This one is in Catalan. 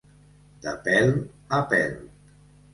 De pèl a pèl.